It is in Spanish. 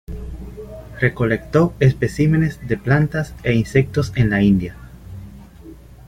Recolectó especímenes de plantas e insectos en la India.